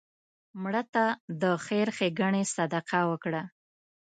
مړه ته د خیر ښیګڼې صدقه وکړه